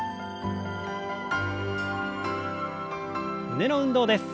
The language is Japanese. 胸の運動です。